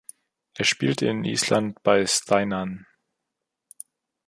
Er spielt in Island bei Stjarnan.